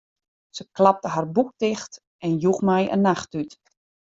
Se klapte har boek ticht en joech my in nachttút.